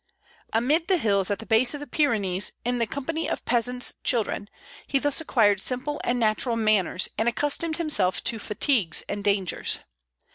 Amid the hills at the base of the Pyrenees, in the company of peasants' children, he thus acquired simple and natural manners, and accustomed himself to fatigues and dangers.